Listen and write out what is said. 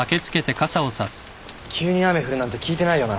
急に雨降るなんて聞いてないよな。